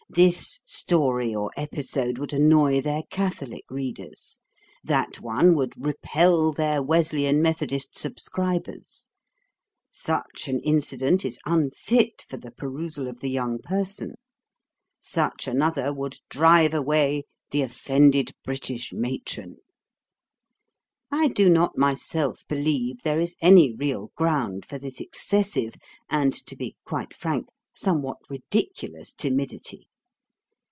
This story or episode would annoy their Catholic readers; that one would repel their Wesleyan Methodist subscribers; such an incident is unfit for the perusal of the young person; such another would drive away the offended British matron. I do not myself believe there is any real ground for this excessive and, to be quite frank, somewhat ridiculous timidity.